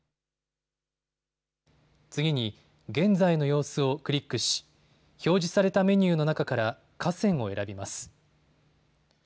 次に、現在のようすをクリックし表示されたメニューの中から河川を選びます。